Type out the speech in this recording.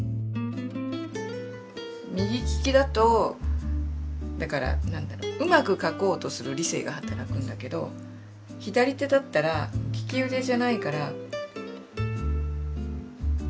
右利きだとだから何だろううまく書こうとする理性が働くんだけど発想みたいなのが働くんで何かう